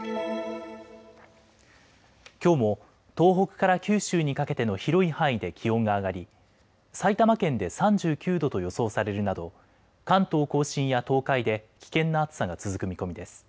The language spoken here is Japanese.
きょうも東北から九州にかけての広い範囲で気温が上がり埼玉県で３９度と予想されるなど関東甲信や東海で危険な暑さが続く見込みです。